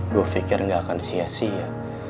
gue pikir nggak akan sia sia